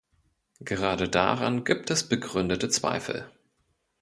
Gerade daran gibt es begründete Zweifel.